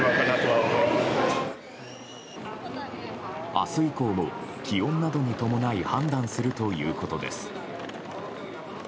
明日以降も、気温などに伴い判断するということです。